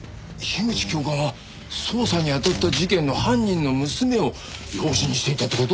樋口教官は捜査にあたった事件の犯人の娘を養子にしていたって事？